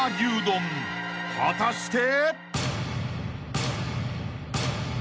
［果たして］